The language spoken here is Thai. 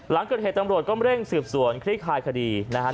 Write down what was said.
หลังเกิดเหตุตำรวจก็เร่งสืบสวนคลี่คลายคดีนะครับ